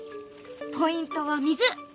ポイントは水。